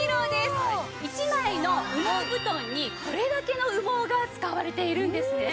１枚の羽毛布団にこれだけの羽毛が使われているんですね。